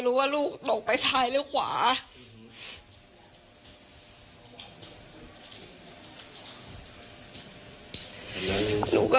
ตกลงไปจากรถไฟได้ยังไงสอบถามแล้วแต่ลูกชายก็ยังไง